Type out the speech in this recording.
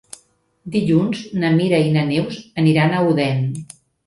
Dilluns na Mira i na Neus aniran a Odèn.